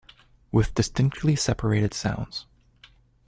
With distinctly separated sounds.